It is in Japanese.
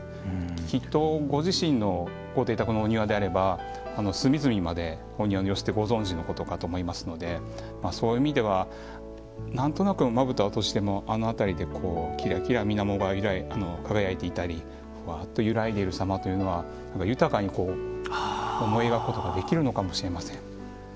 きっとご自身のご邸宅のお庭であれば隅々までお庭の様子ってご存じのことかと思いますのでそういう意味では何となくまぶたを閉じてもあの辺りできらきらみなもが輝いていたりわあっと揺らいでいるさまというのは豊かに思い描くことができるのかもしれません。